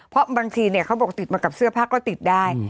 เพราะบางทีเขาบอกติดมากับเสื้อผ้าก็ติดได้